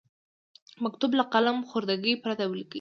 مکتوب له قلم خوردګۍ پرته ولیکئ.